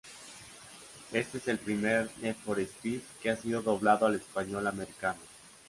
Este es el primer Need For Speed que ha sido doblado al Español Americano.